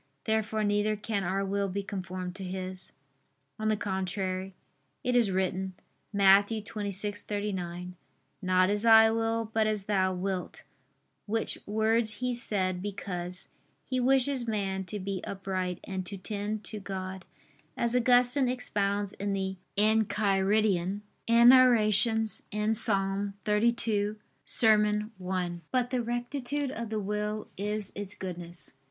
Therefore neither can our will be conformed to His. On the contrary, It is written (Matt. 26:39): "Not as I will, but as Thou wilt": which words He said, because "He wishes man to be upright and to tend to God," as Augustine expounds in the Enchiridion [*Enarr. in Ps. 32, serm. i.]. But the rectitude of the will is its goodness.